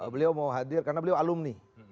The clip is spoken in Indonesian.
beliau mau hadir karena beliau alumni